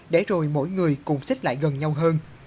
để rồi mỗi người cùng xích lại gần